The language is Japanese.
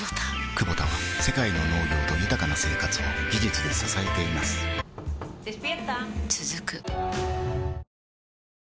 クボタは世界の農業と豊かな生活を技術で支えています起きて。